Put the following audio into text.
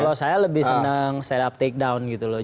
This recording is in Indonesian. kalau saya lebih senang setup takedown gitu loh